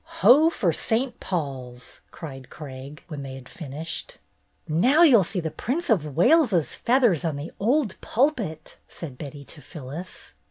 "Ho for St. Paul's!" cried Craig, when they had finished. "Now you 'll see the Prince of Wales's feath ers on the old pulpit," said Betty to Phyllis.